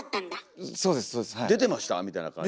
「出てました？」みたいな感じ。